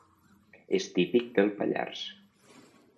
És típic del Pallars.